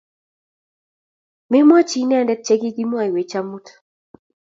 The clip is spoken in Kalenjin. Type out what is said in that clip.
Memwochi inendet che kikimwoiwech amut